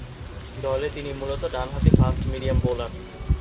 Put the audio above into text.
দলে তিনি মূলতঃ ডানহাতি ফাস্ট-মিডিয়াম বোলার।